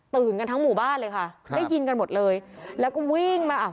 กันทั้งหมู่บ้านเลยค่ะครับได้ยินกันหมดเลยแล้วก็วิ่งมาอ่ะ